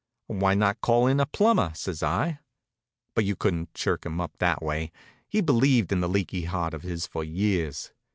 "Why not call in a plumber?" says I. But you couldn't chirk him up that way. He'd believed in that leaky heart of his for years.